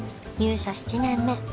入社７年目。